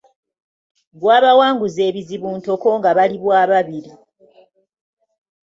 Gwabawanguza ebizibu ntoko nga bali bwababiri.